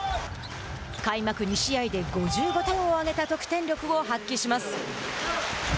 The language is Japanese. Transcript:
開幕２試合で５５点を挙げた得点力を発揮します。